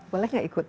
boleh nggak ikut